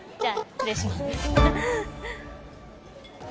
失礼します。